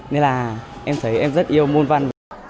nên là em thấy em rất yêu môn văn